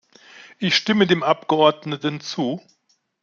Ich stimme dem Abgeordneten zu.